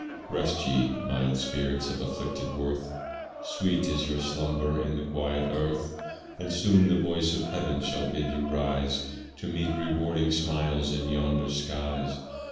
Rest ye, mild spirits of afflicted worth! Sweet is your slumber in the quiet earth; And soon the voice of heaven shall bid you rise To meet rewarding smiles in yonder skies.